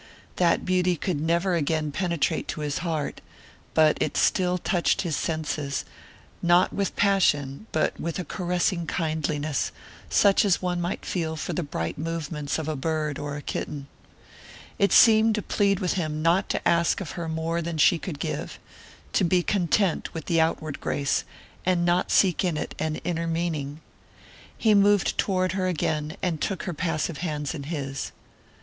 That beauty could never again penetrate to his heart, but it still touched his senses, not with passion but with a caressing kindliness, such as one might feel for the bright movements of a bird or a kitten. It seemed to plead with him not to ask of her more than she could give to be content with the outward grace and not seek in it an inner meaning. He moved toward her again, and took her passive hands in his.